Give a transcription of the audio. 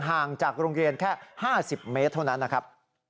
ห่างจากโรงเรียนแค่๕๐เมตรเท่านั้นนะครับ